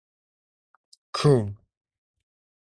Cream.